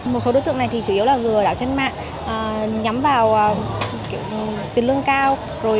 một số đối tượng này thì chủ yếu là lừa đảo trên mạng nhắm vào tiền lương cao